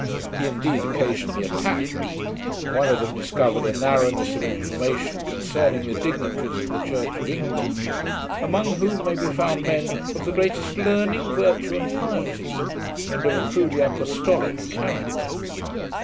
He indeed occasionally attacked them. One of them discovered a narrowness of information concerning the dignitaries of the Church of England, among whom may be found men of the greatest learning, virtue, and piety, and of a truly apostolic character.